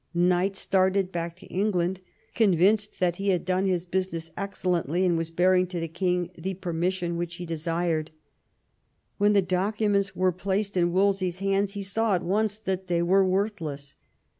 Knight started back to England, convinced that he had done his business excellently, and was bearing to the king the permission which he desired. When the documents were placed in Wolsey's hands he saw at once that they were worthless.